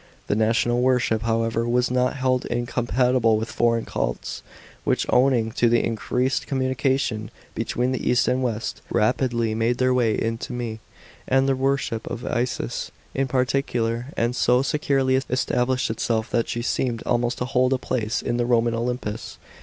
The national worship, however, was not held incompatible with foreign cults, which owing to the increased communication between the east and west, rapidly made their way into R me ; and the worship of Isis, in particular, had so securely established itself, that she seemed almost to hold a place in the Roman Olympus.